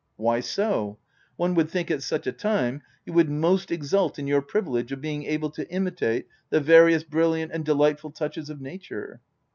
" Why so ? one would think at such a time you would most exult in your privilege of being able to imitate the various brilliant and delight ful touches of nature.